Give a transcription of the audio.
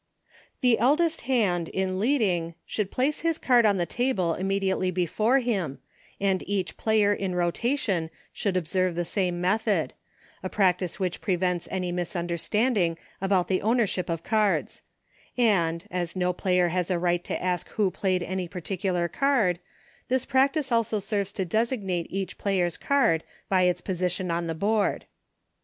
MODE OF PLAYING. 41 The eldest hand, in leading, should placo his card on the table immediately before him, and each player, in rotation, should observe the same method — a practice which prevents any misunderstanding about the ownership of cards ; and, as no player has a right to ask who played any particular card, this practice also serves to designate each player's card by its position on the board.